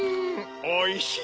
おいしい！